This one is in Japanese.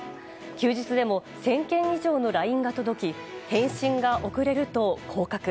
休日でも１０００件以上のＬＩＮＥが届き返信が遅れると降格。